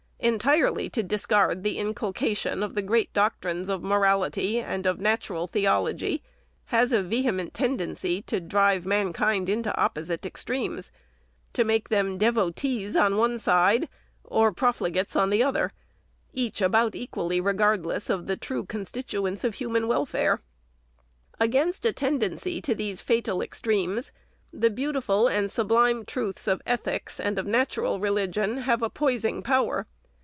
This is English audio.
Entirely to discard the inculcation of the great doctrines of morality and of natural theology has a vehement tendency to drive mankind into opposite ex tremes ; to make them devotees on one side, or profligates on the' other ; each about equally regardless of the true con stituents of human welfare. Against a tendency to these fatal extremes, the beautiful and sublime truths of ethics and of natural religion have a poising power.